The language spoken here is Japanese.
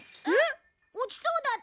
落ちそうだったから。